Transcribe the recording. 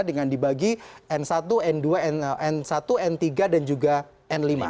dengan dibagi n satu n dua n satu n tiga dan juga n lima